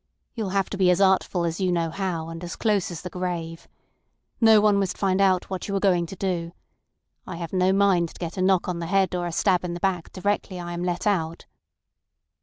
You'll have to be as artful as you know how, and as close as the grave. No one must know what you are going to do. I have no mind to get a knock on the head or a stab in the back directly I am let out."